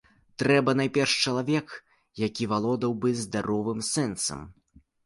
Трэба найперш чалавек, каторы валодаў бы здаровым сэнсам.